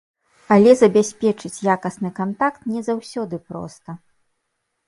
Але забяспечыць якасны кантакт не заўсёды проста.